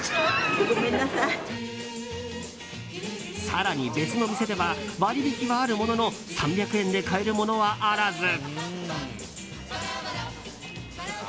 更に、別の店では割引はあるものの３００円で買えるものはあらず。